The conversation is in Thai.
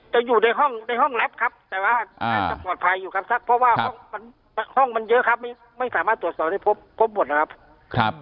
อยู่ในห้องในห้องรับครับแต่ว่าน่าจะปลอดภัยอยู่ครับสักเพราะว่าห้องมันเยอะครับไม่สามารถตรวจสอบได้พบพบหมดนะครับ